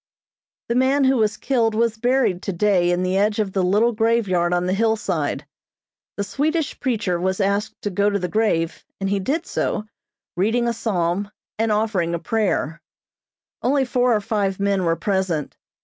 The man who was killed was buried today in the edge of the little graveyard on the hillside. The Swedish preacher was asked to go to the grave, and he did so, reading a Psalm, and offering a prayer. Only four or five men were present.